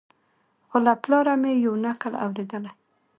خو له پلاره مي یو نکل اورېدلی